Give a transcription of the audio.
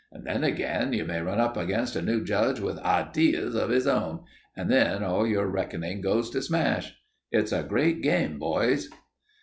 And then again you may run up against a new judge with hideas of 'is own, and then all your reckoning goes to smash. It's a great game, boys."